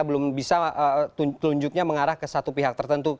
belum bisa telunjuknya mengarah ke satu pihak tertentu